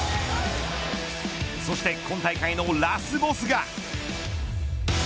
そして今大会のラスボスが。